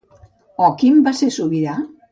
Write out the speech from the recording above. Òquim va ser sobirà?